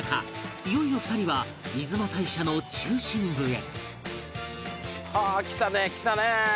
いよいよ２人は出雲大社の中心部へ